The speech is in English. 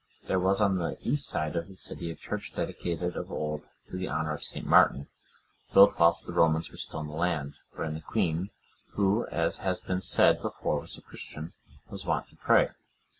There was on the east side of the city, a church dedicated of old to the honour of St. Martin,(117) built whilst the Romans were still in the island, wherein the queen, who, as has been said before, was a Christian, was wont to pray.